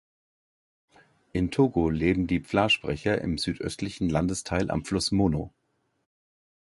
In Togo leben die Xwla-Sprecher im südöstlichen Landesteil am Fluss Mono.